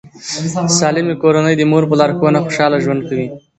د سالمې کورنۍ د مور په لارښوونه خوشاله ژوند کوي.